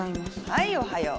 はいおはよう。